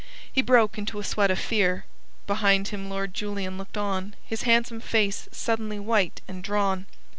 He broke into a sweat of fear. Behind him Lord Julian looked on, his handsome face suddenly white and drawn.